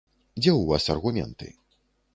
Дзе ў вас аргументы?